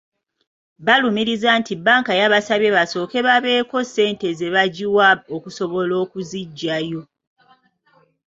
Balumiriza nti bbanka yabasabye basooke babeeko ssente ze bagiwa okusobola okuziggyayo